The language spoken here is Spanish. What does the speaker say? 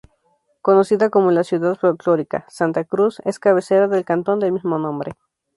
Conocida como "la ciudad folclórica", Santa Cruz es cabecera del cantón del mismo nombre.